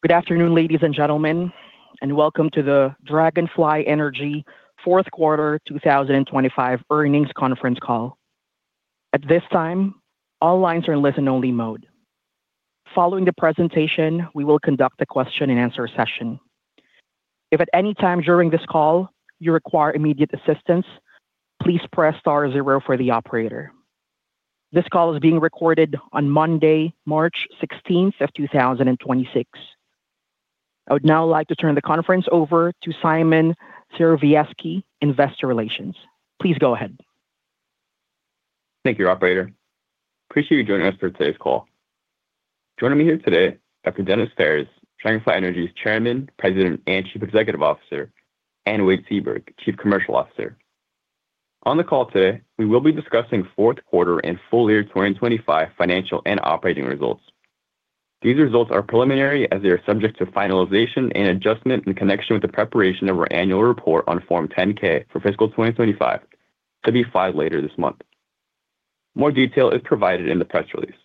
Good afternoon, ladies and gentlemen, and welcome to the Dragonfly Energy fourth quarter 2025 earnings conference call. At this time, all lines are in listen-only mode. Following the presentation, we will conduct a question and answer session. If at any time during this call you require immediate assistance, please press star zero for the operator. This call is being recorded on Monday, March 16, 2026. I would now like to turn the conference over to Szymon Serowiecki, Investor Relations. Please go ahead. Thank you, operator. Appreciate you joining us for today's call. Joining me here today are Denis Phares, Dragonfly Energy's Chairman, President and Chief Executive Officer, and Wade Seaburg, Chief Commercial Officer. On the call today, we will be discussing fourth quarter and full year 2025 financial and operating results. These results are preliminary as they are subject to finalization and adjustment in connection with the preparation of our annual report on Form 10-K for fiscal 2025, to be filed later this month. More detail is provided in the press release.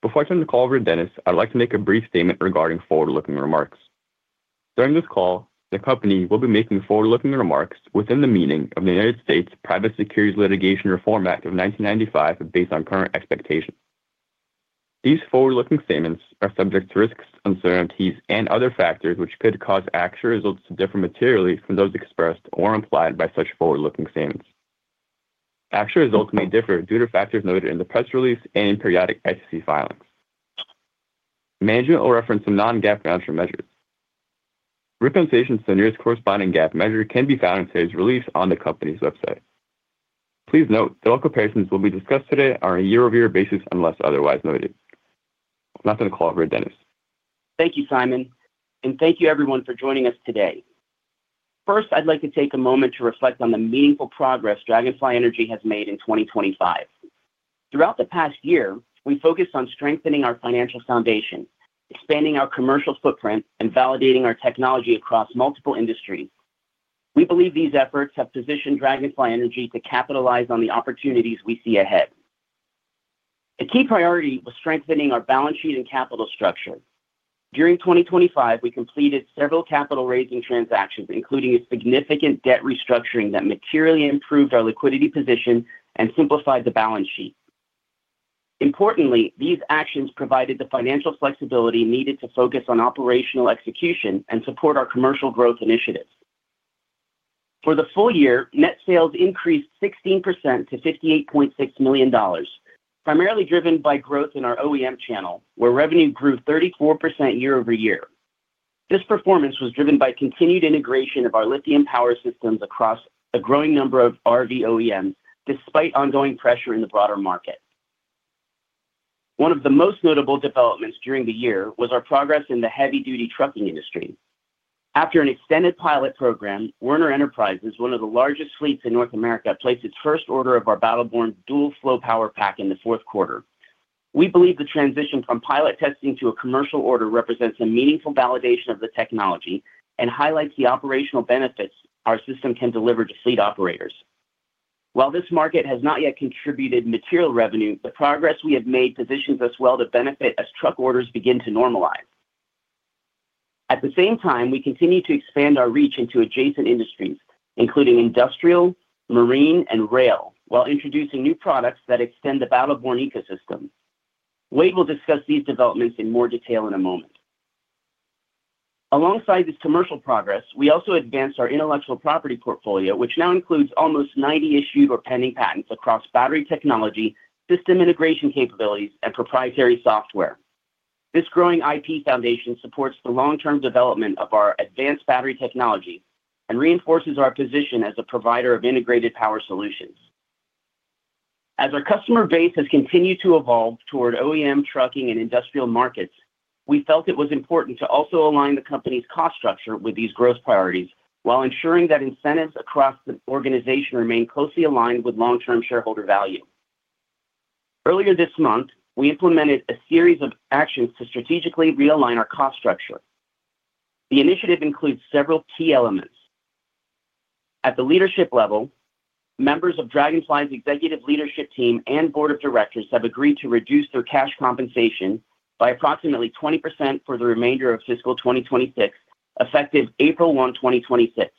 Before I turn the call over to Denis, I'd like to make a brief statement regarding forward-looking remarks. During this call, the company will be making forward-looking remarks within the meaning of the United States Private Securities Litigation Reform Act of 1995 based on current expectations. These forward-looking statements are subject to risks, uncertainties and other factors which could cause actual results to differ materially from those expressed or implied by such forward-looking statements. Actual results may differ due to factors noted in the press release and in periodic SEC filings. Management will reference some non-GAAP financial measures. Reconciliations to the nearest corresponding GAAP measure can be found in today's release on the company's website. Please note that all comparisons will be discussed today are a year-over-year basis unless otherwise noted. I'm now going to call over to Denis. Thank you, Szymon, and thank you everyone for joining us today. First, I'd like to take a moment to reflect on the meaningful progress Dragonfly Energy has made in 2025. Throughout the past year, we focused on strengthening our financial foundation, expanding our commercial footprint, and validating our technology across multiple industries. We believe these efforts have positioned Dragonfly Energy to capitalize on the opportunities we see ahead. A key priority was strengthening our balance sheet and capital structure. During 2025, we completed several capital raising transactions, including a significant debt restructuring that materially improved our liquidity position and simplified the balance sheet. Importantly, these actions provided the financial flexibility needed to focus on operational execution and support our commercial growth initiatives. For the full year, net sales increased 16% to $58.6 million, primarily driven by growth in our OEM channel, where revenue grew 34% year-over-year. This performance was driven by continued integration of our lithium power systems across a growing number of RV OEMs, despite ongoing pressure in the broader market. One of the most notable developments during the year was our progress in the heavy-duty trucking industry. After an extended pilot program, Werner Enterprises, one of the largest fleets in North America, placed its first order of our Battle Born DualFlow Power Pack in the fourth quarter. We believe the transition from pilot testing to a commercial order represents a meaningful validation of the technology and highlights the operational benefits our system can deliver to fleet operators. While this market has not yet contributed material revenue, the progress we have made positions us well to benefit as truck orders begin to normalize. At the same time, we continue to expand our reach into adjacent industries, including industrial, marine, and rail, while introducing new products that extend the Battle Born ecosystem. Wade will discuss these developments in more detail in a moment. Alongside this commercial progress, we also advanced our intellectual property portfolio, which now includes almost 90 issued or pending patents across battery technology, system integration capabilities, and proprietary software. This growing IP foundation supports the long-term development of our advanced battery technology and reinforces our position as a provider of integrated power solutions. As our customer base has continued to evolve toward OEM trucking and industrial markets, we felt it was important to also align the company's cost structure with these growth priorities while ensuring that incentives across the organization remain closely aligned with long-term shareholder value. Earlier this month, we implemented a series of actions to strategically realign our cost structure. The initiative includes several key elements. At the leadership level, members of Dragonfly's executive leadership team and board of directors have agreed to reduce their cash compensation by approximately 20% for the remainder of fiscal 2026, effective April 1, 2026.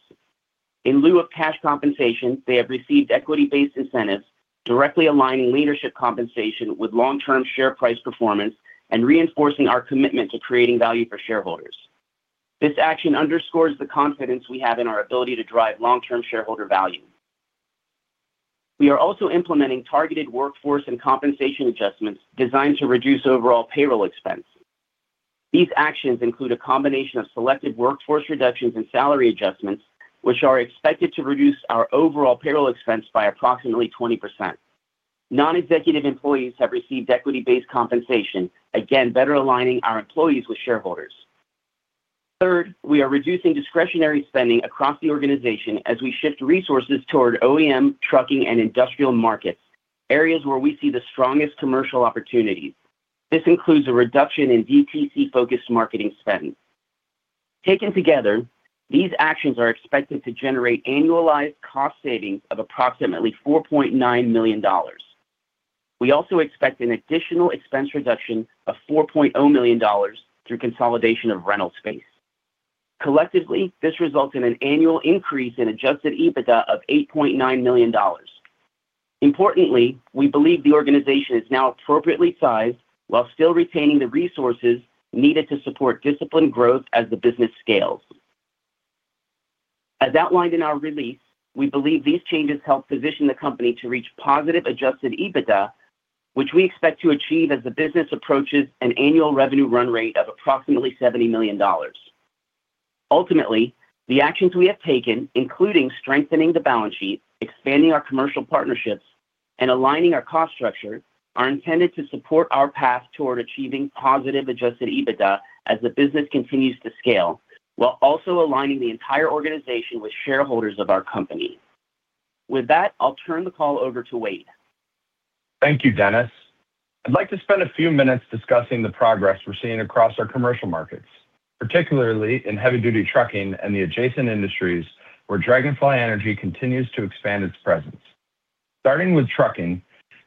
In lieu of cash compensation, they have received equity-based incentives directly aligning leadership compensation with long-term share price performance and reinforcing our commitment to creating value for shareholders. This action underscores the confidence we have in our ability to drive long-term shareholder value. We are also implementing targeted workforce and compensation adjustments designed to reduce overall payroll expense. These actions include a combination of selective workforce reductions and salary adjustments, which are expected to reduce our overall payroll expense by approximately 20%. Non-executive employees have received equity-based compensation, again, better aligning our employees with shareholders. Third, we are reducing discretionary spending across the organization as we shift resources toward OEM trucking and industrial markets, areas where we see the strongest commercial opportunities. This includes a reduction in DTC-focused marketing spending. Taken together, these actions are expected to generate annualized cost savings of approximately $4.9 million. We also expect an additional expense reduction of $4.0 million through consolidation of rental space. Collectively, this results in an annual increase in adjusted EBITDA of $8.9 million. Importantly, we believe the organization is now appropriately sized while still retaining the resources needed to support disciplined growth as the business scales. As outlined in our release, we believe these changes help position the company to reach positive adjusted EBITDA, which we expect to achieve as the business approaches an annual revenue run rate of approximately $70 million. Ultimately, the actions we have taken, including strengthening the balance sheet, expanding our commercial partnerships, and aligning our cost structure, are intended to support our path toward achieving positive adjusted EBITDA as the business continues to scale, while also aligning the entire organization with shareholders of our company. With that, I'll turn the call over to Wade. Thank you, Denis. I'd like to spend a few minutes discussing the progress we're seeing across our commercial markets, particularly in heavy-duty trucking and the adjacent industries where Dragonfly Energy continues to expand its presence. Starting with trucking,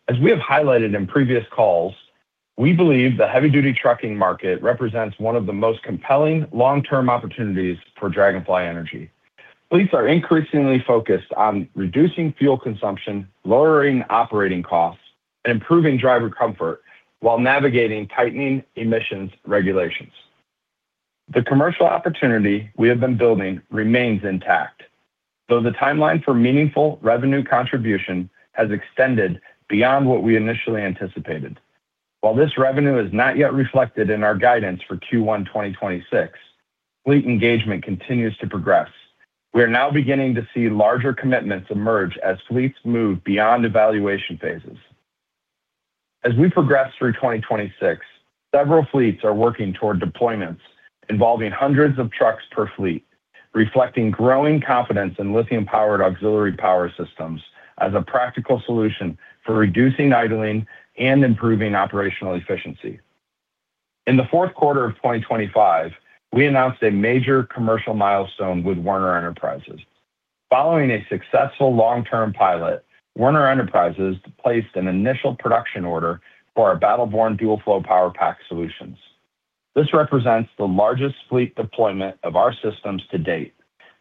as we have highlighted in previous calls, we believe the heavy-duty trucking market represents one of the most compelling long-term opportunities for Dragonfly Energy. Fleets are increasingly focused on reducing fuel consumption, lowering operating costs, and improving driver comfort while navigating tightening emissions regulations. The commercial opportunity we have been building remains intact, though the timeline for meaningful revenue contribution has extended beyond what we initially anticipated. While this revenue is not yet reflected in our guidance for Q1 2026, fleet engagement continues to progress. We are now beginning to see larger commitments emerge as fleets move beyond evaluation phases. As we progress through 2026, several fleets are working toward deployments involving hundreds of trucks per fleet, reflecting growing confidence in lithium-powered auxiliary power systems as a practical solution for reducing idling and improving operational efficiency. In the fourth quarter of 2025, we announced a major commercial milestone with Werner Enterprises. Following a successful long-term pilot, Werner Enterprises placed an initial production order for our Battle Born DualFlow Power Pack solutions. This represents the largest fleet deployment of our systems to date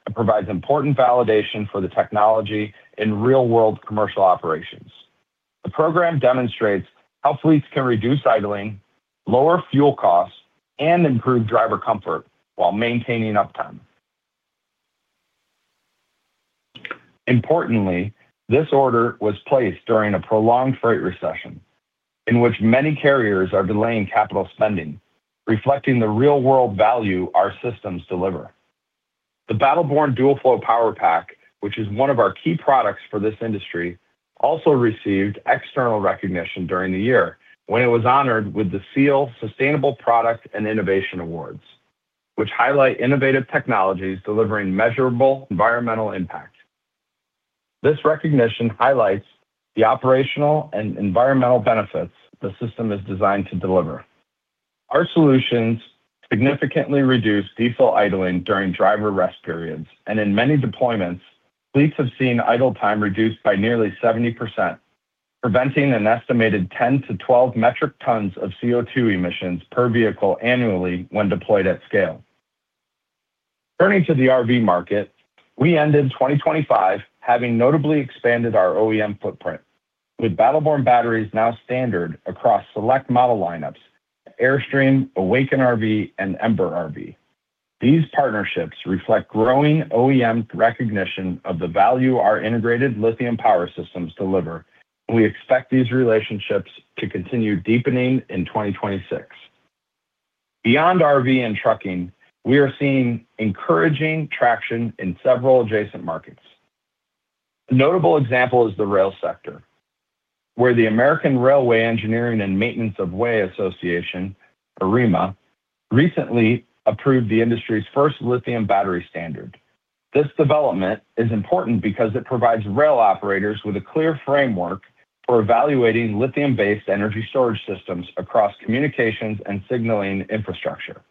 and provides important validation for the technology in real-world commercial operations. The program demonstrates how fleets can reduce idling, lower fuel costs, and improve driver comfort while maintaining uptime. Importantly, this order was placed during a prolonged freight recession in which many carriers are delaying capital spending, reflecting the real-world value our systems deliver. The Battle Born DualFlow Power Pack, which is one of our key products for this industry, also received external recognition during the year when it was honored with the SEAL Sustainable Product Award, which highlights innovative technologies delivering measurable environmental impact. This recognition highlights the operational and environmental benefits the system is designed to deliver. Our solutions significantly reduce diesel idling during driver rest periods, and in many deployments, fleets have seen idle time reduced by nearly 70%, preventing an estimated 10-12 metric tons of CO2 emissions per vehicle annually when deployed at scale. Turning to the RV market, we ended 2025 having notably expanded our OEM footprint, with Battle Born batteries now standard across select model lineups, Airstream, Awaken RV, and Ember RV. These partnerships reflect growing OEM recognition of the value our integrated lithium power systems deliver, and we expect these relationships to continue deepening in 2026. Beyond RV and trucking, we are seeing encouraging traction in several adjacent markets. A notable example is the rail sector, where the American Railway Engineering and Maintenance-of-Way Association, AREMA, recently approved the industry's first lithium battery standard. This development is important because it provides rail operators with a clear framework for evaluating lithium-based energy storage systems across communications and signaling infrastructure,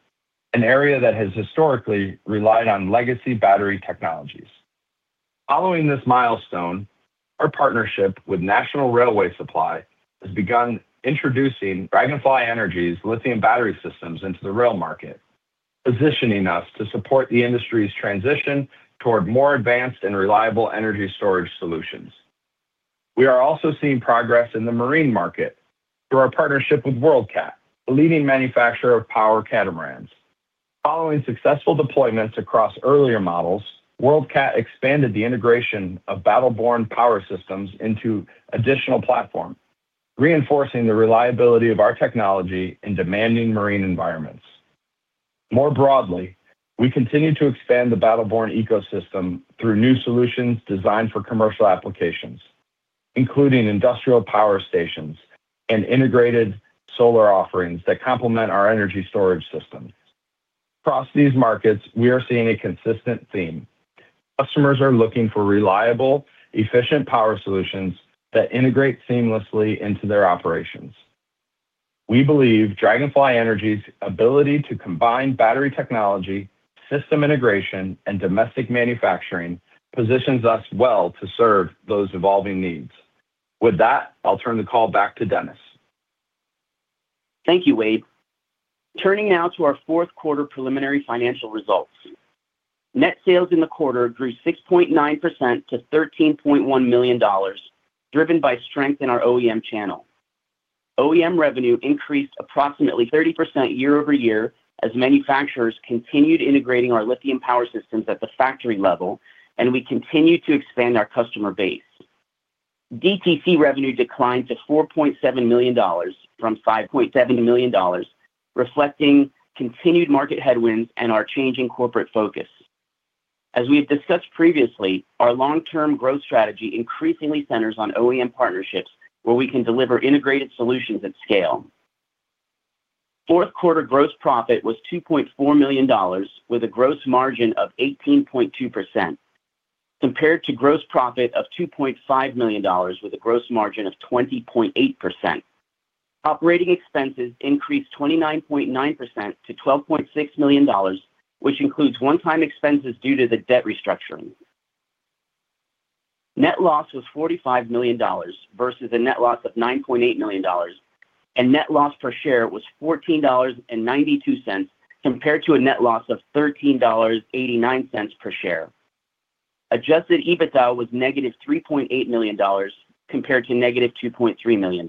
an area that has historically relied on legacy battery technologies. Following this milestone, our partnership with National Railway Supply has begun introducing Dragonfly Energy's lithium battery systems into the rail market, positioning us to support the industry's transition toward more advanced and reliable energy storage solutions. We are also seeing progress in the marine market through our partnership with World Cat, a leading manufacturer of power catamarans. Following successful deployments across earlier models, World Cat expanded the integration of Battle Born power systems into additional platforms, reinforcing the reliability of our technology in demanding marine environments. More broadly, we continue to expand the Battle Born ecosystem through new solutions designed for commercial applications, including industrial power stations and integrated solar offerings that complement our energy storage systems. Across these markets, we are seeing a consistent theme. Customers are looking for reliable, efficient power solutions that integrate seamlessly into their operations. We believe Dragonfly Energy's ability to combine battery technology, system integration, and domestic manufacturing positions us well to serve those evolving needs. With that, I'll turn the call back to Denis. Thank you, Wade. Turning now to our fourth quarter preliminary financial results. Net sales in the quarter grew 6.9% to $13.1 million, driven by strength in our OEM channel. OEM revenue increased approximately 30% year-over-year as manufacturers continued integrating our lithium power systems at the factory level, and we continued to expand our customer base. DTC revenue declined to $4.7 million from $5.7 million, reflecting continued market headwinds and our changing corporate focus. As we have discussed previously, our long-term growth strategy increasingly centers on OEM partnerships where we can deliver integrated solutions at scale. Fourth quarter gross profit was $2.4 million, with a gross margin of 18.2%, compared to gross profit of $2.5 million with a gross margin of 20.8%. Operating expenses increased 29.9% to $12.6 million, which includes one-time expenses due to the debt restructuring. Net loss was $45 million versus a net loss of $9.8 million, and net loss per share was $14.92 compared to a net loss of $13.89 per share. Adjusted EBITDA was negative $3.8 million compared to negative $2.3 million.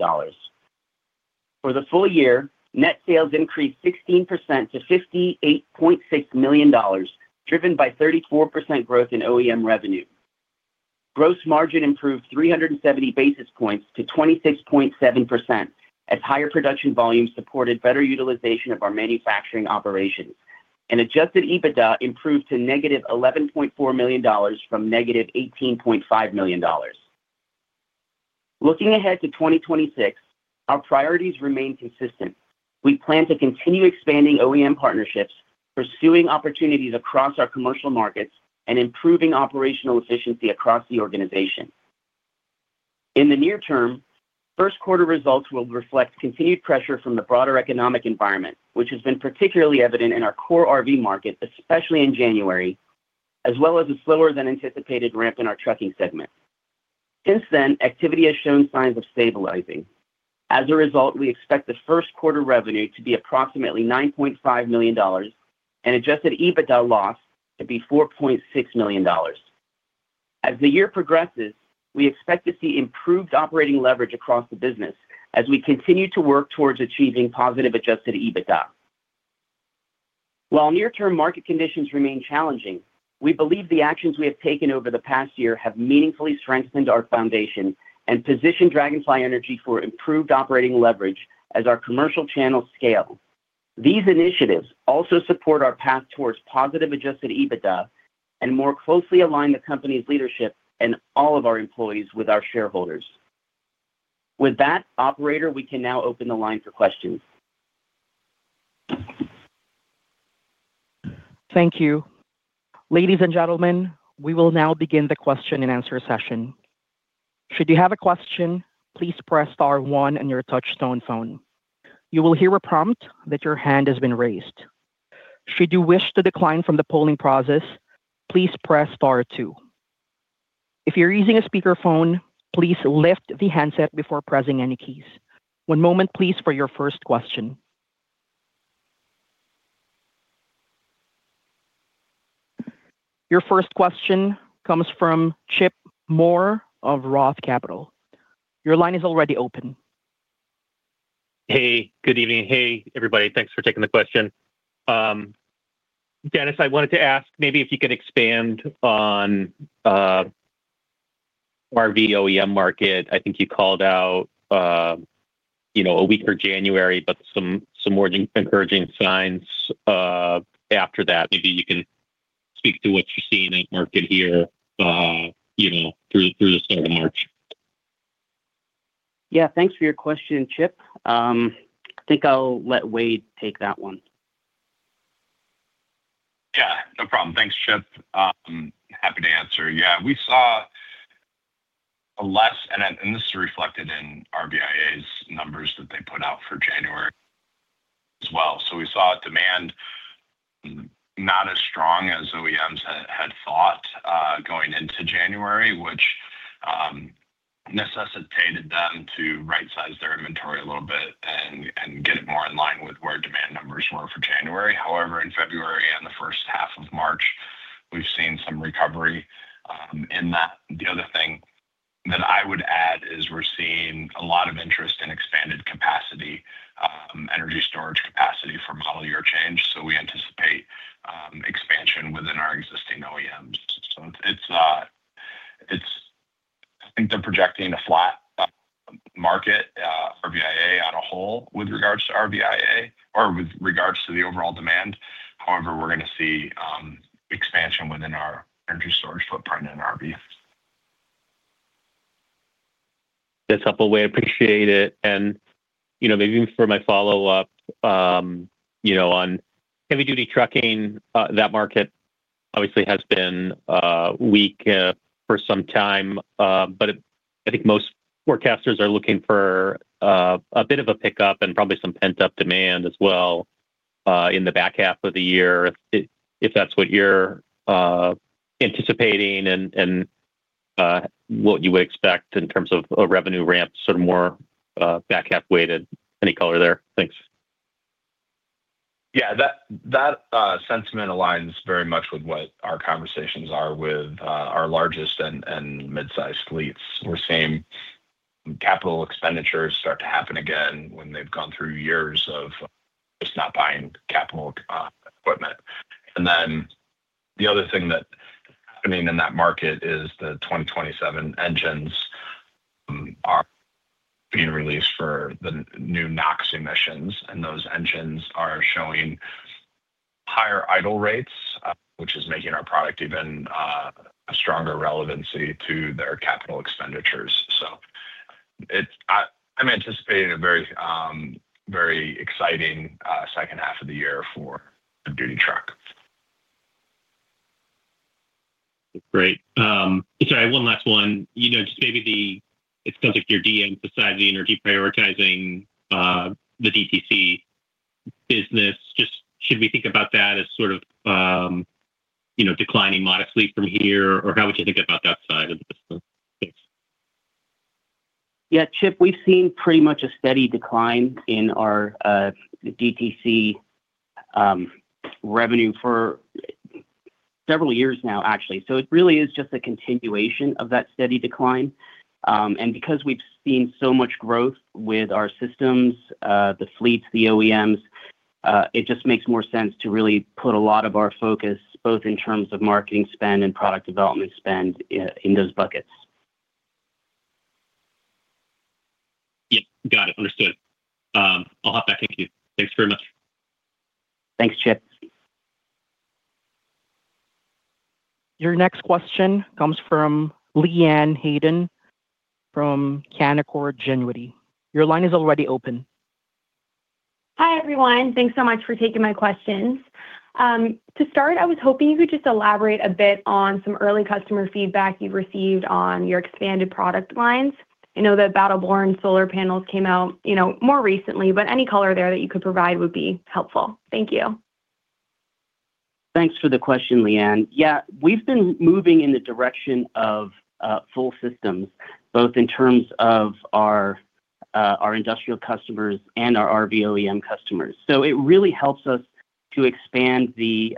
For the full year, net sales increased 16% to $58.6 million, driven by 34% growth in OEM revenue. Gross margin improved 370 basis points to 26.7% as higher production volumes supported better utilization of our manufacturing operations. Adjusted EBITDA improved to negative $11.4 million from negative $18.5 million. Looking ahead to 2026, our priorities remain consistent. We plan to continue expanding OEM partnerships, pursuing opportunities across our commercial markets, and improving operational efficiency across the organization. In the near term, first quarter results will reflect continued pressure from the broader economic environment, which has been particularly evident in our core RV market, especially in January, as well as a slower than anticipated ramp in our trucking segment. Since then, activity has shown signs of stabilizing. As a result, we expect the first quarter revenue to be approximately $9.5 million and adjusted EBITDA loss to be $4.6 million. As the year progresses, we expect to see improved operating leverage across the business as we continue to work towards achieving positive adjusted EBITDA. While near-term market conditions remain challenging, we believe the actions we have taken over the past year have meaningfully strengthened our foundation and positioned Dragonfly Energy for improved operating leverage as our commercial channels scale. These initiatives also support our path towards positive adjusted EBITDA and more closely align the company's leadership and all of our employees with our shareholders. With that, operator, we can now open the line for questions. Thank you. Ladies and gentlemen, we will now begin the question and answer session. Should you have a question, please press star one on your touch tone phone. You will hear a prompt that your hand has been raised. Should you wish to decline from the polling process, please press star two. If you're using a speakerphone, please lift the handset before pressing any keys. One moment, please, for your first question. Your first question comes from Chip Moore of Roth Capital Partners. Your line is already open. Hey, good evening. Hey, everybody. Thanks for taking the question. Denis, I wanted to ask maybe if you could expand on RV OEM market. I think you called out a weaker January, but some more encouraging signs after that. Maybe you can speak to what you're seeing in market here through the start of March. Yeah. Thanks for your question, Chip. I think I'll let Wade take that one. Yeah. No problem. Thanks, Chip. Happy to answer. Yeah. We saw less, and this is reflected in RVIA's numbers that they put out for January as well. We saw demand not as strong as OEMs had thought, going into January, which necessitated them to right-size their inventory a little bit and get it more in line with where demand numbers were for January. However, in February and the first half of March, we've seen some recovery in that. The other thing that I would add is we're seeing a lot of interest in expanded capacity, energy storage capacity for model year change. We anticipate expansion within our existing OEMs. I think they're projecting a flat market, RVIA as a whole with regards to RVIA or with regards to the overall demand. However, we're gonna see expansion within our energy storage footprint in RV. That's helpful, Wade. I appreciate it. You know, maybe for my follow-up, you know, on heavy-duty trucking, that market obviously has been weak for some time. But I think most forecasters are looking for a bit of a pickup and probably some pent-up demand as well in the back half of the year, if that's what you're anticipating and what you would expect in terms of revenue ramps, sort of more back half-weighted. Any color there? Thanks. Yeah. That sentiment aligns very much with what our conversations are with our largest and mid-sized fleets. We're seeing capital expenditures start to happen again when they've gone through years of just not buying capital equipment. Then the other thing that is happening in that market is the 2027 engines are being released for the new NOx emissions, and those engines are showing higher idle rates, which is making our product even a stronger relevancy to their capital expenditures. I'm anticipating a very exciting second half of the year for the duty truck. Great. Sorry, one last one. You know, just maybe it sounds like you're de-emphasizing or deprioritizing the DTC business. Just should we think about that as sort of, you know, declining modestly from here? Or how would you think about that side of the business? Thanks. Yeah, Chip, we've seen pretty much a steady decline in our DTC revenue for several years now, actually. It really is just a continuation of that steady decline. Because we've seen so much growth with our systems, the fleets, the OEMs, it just makes more sense to really put a lot of our focus both in terms of marketing spend and product development spend in those buckets. Yep. Got it. Understood. I'll hop back in queue. Thanks very much. Thanks, Chip. Your next question comes from Leanne Hayden from Canaccord Genuity. Your line is already open. Hi, everyone. Thanks so much for taking my questions. To start, I was hoping you could just elaborate a bit on some early customer feedback you've received on your expanded product lines. I know the Battle Born solar panels came out, you know, more recently, but any color there that you could provide would be helpful. Thank you. Thanks for the question, Leanne. Yeah. We've been moving in the direction of full systems, both in terms of our industrial customers and our RV OEM customers. It really helps us to expand the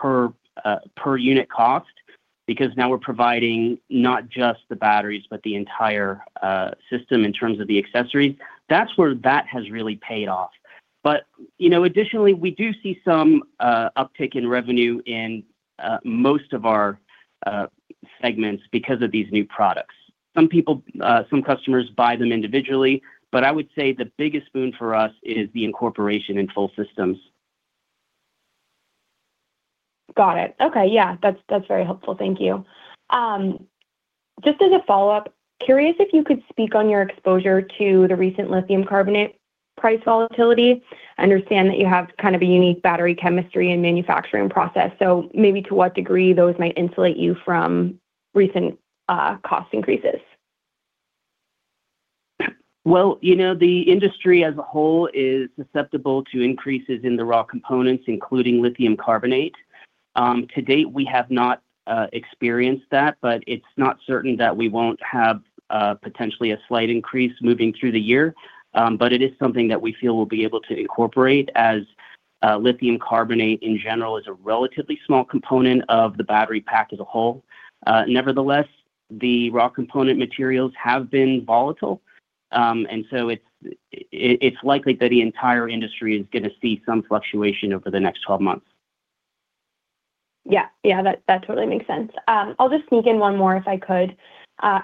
per unit cost because now we're providing not just the batteries, but the entire system in terms of the accessories. That's where that has really paid off. You know, additionally, we do see some uptick in revenue in most of our segments because of these new products. Some people, some customers buy them individually, but I would say the biggest boon for us is the incorporation in full systems. Got it. Okay. Yeah. That's very helpful. Thank you. Just as a follow-up, curious if you could speak on your exposure to the recent lithium carbonate price volatility. I understand that you have kind of a unique battery chemistry and manufacturing process, so maybe to what degree those might insulate you from recent cost increases. Well, you know, the industry as a whole is susceptible to increases in the raw components, including lithium carbonate. To date, we have not experienced that, but it's not certain that we won't have potentially a slight increase moving through the year. But it is something that we feel we'll be able to incorporate as lithium carbonate in general is a relatively small component of the battery pack as a whole. Nevertheless, the raw component materials have been volatile. It's likely that the entire industry is gonna see some fluctuation over the next 12 months. Yeah. That totally makes sense. I'll just sneak in one more, if I could. Sure.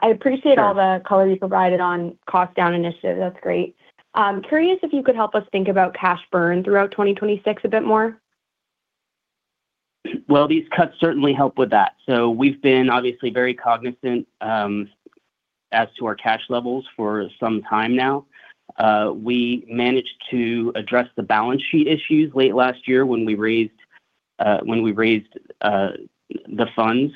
I appreciate all the color you provided on cost down initiative. That's great. I'm curious if you could help us think about cash burn throughout 2026 a bit more. These cuts certainly help with that. We've been obviously very cognizant as to our cash levels for some time now. We managed to address the balance sheet issues late last year when we raised the funds.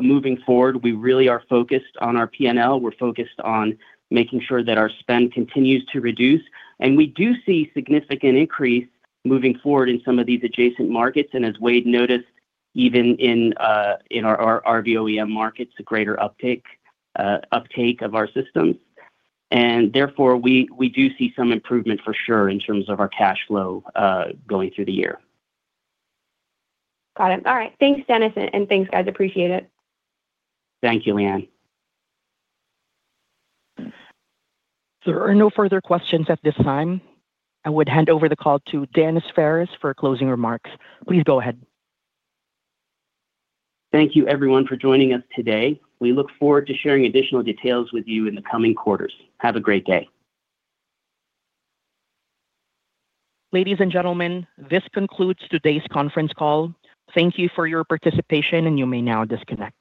Moving forward, we really are focused on our PNL. We're focused on making sure that our spend continues to reduce. We do see significant increase moving forward in some of these adjacent markets. As Wade noted, even in our RV OEM markets, a greater uptake of our systems. Therefore, we do see some improvement for sure in terms of our cash flow going through the year. Got it. All right. Thanks, Denis. Thanks, guys. Appreciate it. Thank you, Leanne. There are no further questions at this time. I would hand over the call to Denis Phares for closing remarks. Please go ahead. Thank you, everyone, for joining us today. We look forward to sharing additional details with you in the coming quarters. Have a great day. Ladies and gentlemen, this concludes today's conference call. Thank you for your participation, and you may now disconnect.